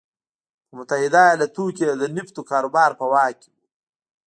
په متحده ایالتونو کې یې د نفتو کاروبار په واک کې و.